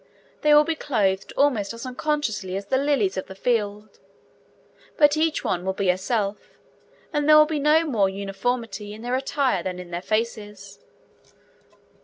They will be clothed almost as unconsciously as the lilies of the field; but each one will be herself, and there will be no more uniformity in their attire than in their faces.